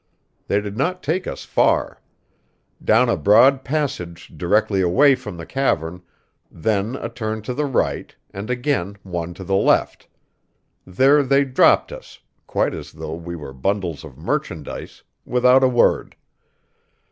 They did not take us far. Down a broad passage directly away from the cavern, then a turn to the right, and again one to the left. There they dropped us, quite as though we were bundles of merchandise, without a word.